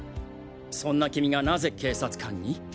そんな君がなぜ警察官に？